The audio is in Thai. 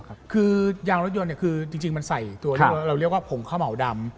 คือยางรถยนต์เนี่ยคือจริงมันใส่ตัวเราเรียกว่าผงข้าวเหมาดำ